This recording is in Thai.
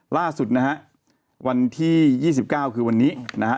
ล่าสุดนะฮะวันที่๒๙คือวันนี้นะฮะ